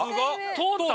通った？